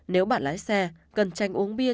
nếu bạn lái xe cần tranh uống bia